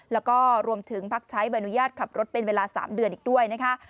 แล้วก็รวมถึงพักใช้ใบอนุญาตขับรถเป็นเวลา๓เดือนอีกด้วยนะคะ